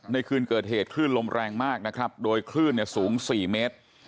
ในคืนเกิดเหตุคลื่นลมแรงมากนะครับโดยคลื่นสูง๔เมตร